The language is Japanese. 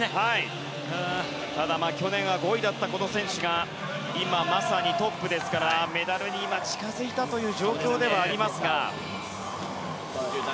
ただ去年は５位だったこの選手が今まさにトップですからメダルに近づいたという状況ではありますが。